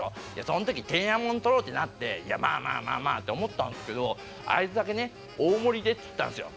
そん時店屋物取ろうってなっていやまあまあまあまあって思ったんすけどあいつだけね「大盛りで」って言ったんすよ。